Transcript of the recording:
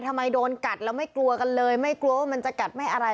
ทำไมโดนกัดแล้วไม่กลัวกันเลยไม่กลัวว่ามันจะกัดไม่อะไร